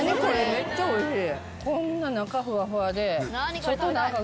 めっちゃおいしい。